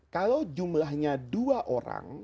kalau jumlahnya dua orang